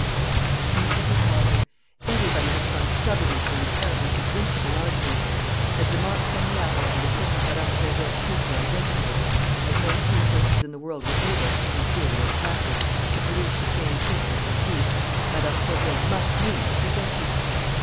The teeth of the tiger! Everybody had clung stubbornly to an apparently invincible argument. As the marks on the apple and the print of Mme. Fauville's teeth were identical, and as no two persons in the world were able, in theory or practice, to produce the same print with their teeth, Mme. Fauville must needs be guilty.